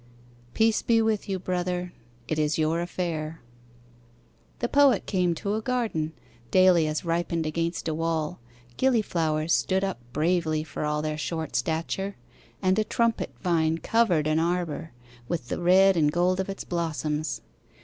Peace be with you, Brother. It is your affair. The Poet came to a garden. Dahlias ripened against a wall, Gillyflowers stood up bravely for all their short stature, And a trumpet vine covered an arbour With the red and gold of its blossoms.